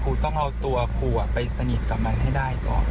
ครูต้องเอาตัวครูไปสนิทกับมันให้ได้ก่อน